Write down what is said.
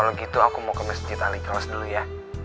rev kalau gitu aku mau ke mesjid aliklos dulu ya